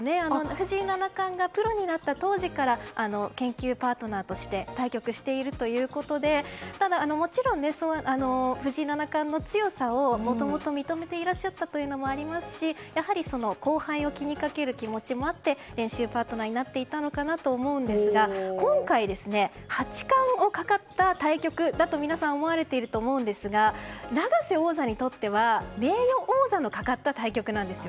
藤井七冠がプロになった当時から研究パートナーとして対局しているということでただ、もちろん藤井七冠の強さをもともと、認めていらっしゃったというのもありますし後輩を気に掛ける気持ちもあって練習パートナーになっていたのかなと思うんですが今回、八冠がかかった対局だと皆さん思われていると思いますが永瀬王座にとっては名誉王座のかかった対局なんです。